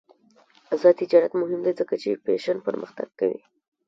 آزاد تجارت مهم دی ځکه چې فیشن پرمختګ کوي.